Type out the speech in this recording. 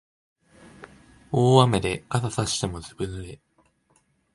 大雨で傘さしてもずぶ濡れ